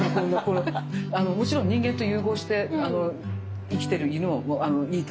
もちろん人間と融合して生きてる犬もいい